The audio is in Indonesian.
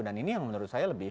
dan ini yang menurut saya lebih